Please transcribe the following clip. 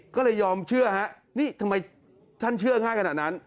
ก็เลยยอมเชื่อฮะนี่ทำไมท่านเชื่อง่ายขนาดนั้น